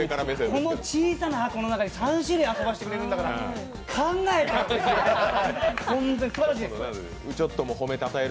この小さな箱の中で３種類味わわせてくれるんだから、ホント考えたよ。